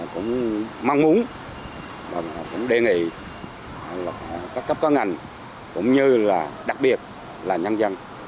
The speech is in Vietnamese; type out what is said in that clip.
cũng mang muốn đề nghị các cấp các ngành cũng như là đặc biệt là nhân dân